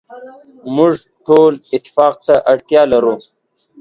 موږ ټول اتفاق ته اړتیا لرو.